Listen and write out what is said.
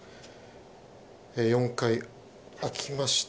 ４階、開きました。